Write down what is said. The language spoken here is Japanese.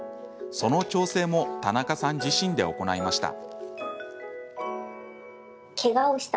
その調整も田中さん自身で行いました。